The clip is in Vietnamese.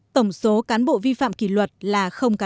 tổng số cán bộ vi phạm kỷ luật là chín